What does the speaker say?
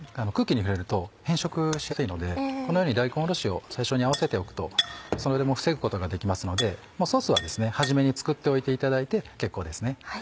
空気に触れると変色しやすいのでこのように大根おろしを最初に合わせておくとそれも防ぐことができますのでもうソースははじめに作っておいていただいて結構ですね。